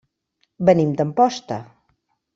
Venim d'Amposta.